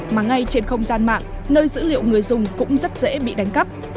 mà ngay trên không gian mạng nơi dữ liệu người dùng cũng rất dễ bị đánh cắp